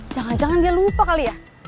jangan jangan dia lupa kali ya